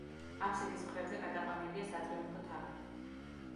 აფსიდის მხრებზე გადაყვანილია სატრიუმფო თაღი.